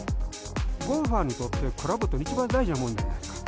ゴルファーにとって、クラブって一番大事なもんじゃないですか。